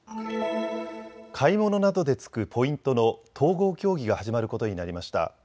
買い物などで付くポイントの統合協議が始まることになりました。